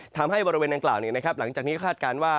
ทำให้บริเวณดังกล่าวหลังจากนี้ก็คาดการณ์ว่า